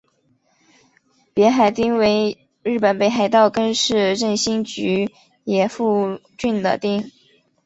别海町为日本北海道根室振兴局野付郡的町。